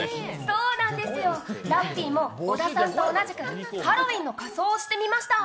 そうなんですよ、ラッピーも小田さんと同じくハロウィーンの仮装してみました。